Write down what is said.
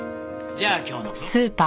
じゃあ今日の分。